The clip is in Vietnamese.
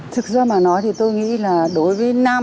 thực ra mà nói thì tôi nghĩ là đối với nam